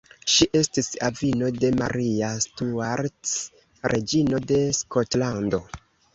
Ŝi estis avino de Maria Stuart, reĝino de Skotlando.